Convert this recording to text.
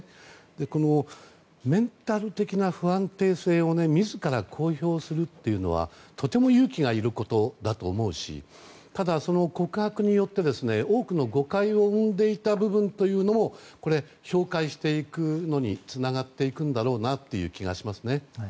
このメンタル的な不安定性を自ら公表するというのはとても勇気がいることだと思うしただ、その告白によって多くの誤解を生んでいた部分もこれは氷解していくのにつながっていくんだろうなという気がしますね。